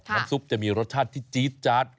ซุปจะมีรสชาติที่จี๊ดจัด